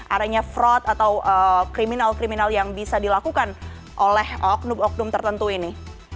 adanya fraud atau kriminal kriminal yang bisa dilakukan oleh oknum oknum tertentu ini